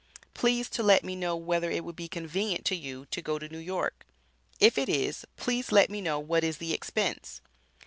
Please to let me know whether it would be convenient to you to go to New York if it is please let me know what is the expense.